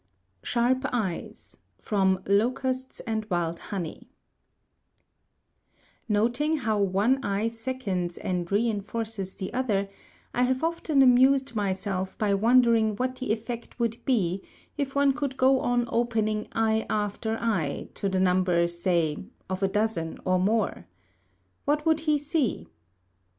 SHARP EYES From 'Locusts and Wild Honey' Noting how one eye seconds and reinforces the other, I have often amused myself by wondering what the effect would be if one could go on opening eye after eye, to the number, say, of a dozen or more. What would he see?